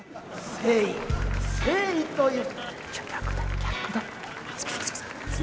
「誠意」「誠意」という逆だよ